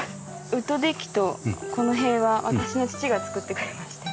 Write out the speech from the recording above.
ウッドデッキとこの塀は私の父が造ってくれまして。